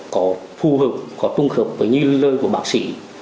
có phù hợp có trung hợp với như lời của bác sĩ